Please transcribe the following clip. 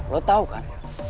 lo tau kan